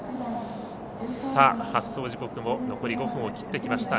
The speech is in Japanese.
発走時刻も残り５分を切ってきました。